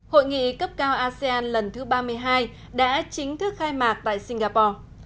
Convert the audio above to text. hội nghị cấp cao asean lần thứ ba mươi hai đã chính thức khai mạc tại singapore